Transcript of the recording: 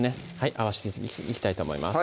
合わしていきたいと思います